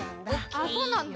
あっそうなんだ？